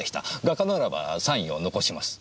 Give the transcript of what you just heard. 画家ならばサインを残します。